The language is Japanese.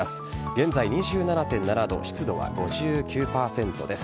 現在、２７．７度湿度は５９％です。